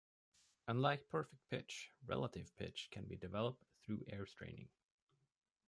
Unlike perfect pitch, relative pitch can be developed through ear training.